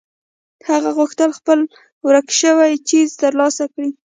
هغه غوښتل خپل ورک شوی څيز تر لاسه کړي.